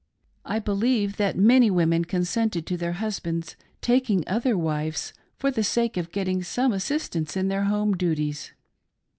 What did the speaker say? I believe, that many women consented to their husbands taking other wives for the sake of getting some assistance in their home duties.